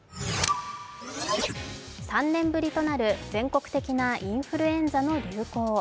３年ぶりとなる全国的なインフルエンザの流行。